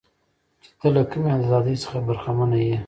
چې ته له کمې ازادۍ څخه برخمنه یې.